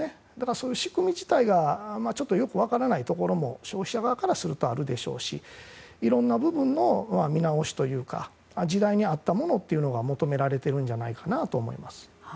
そういう仕組み自体がよく分からないところも消費者側からするとあるでしょうしいろんな部分の見直しというか時代に合ったものが求められているんじゃないかと思います。